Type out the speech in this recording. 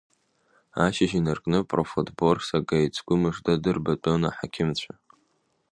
Ашьыжь инаркны профотбор сагеит, сгәы мыжда дырбатәын аҳақьымцәа.